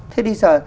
thế bây giờ